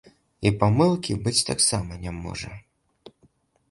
І памылкі быць таксама не можа.